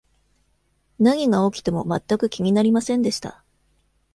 何が起きても全く気になりませんでした。